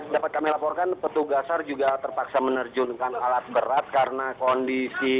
dapat kami laporkan petugas juga terpaksa menerjunkan alat berat karena kondisi